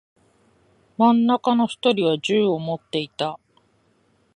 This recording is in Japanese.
真ん中の一人は銃を持っていた。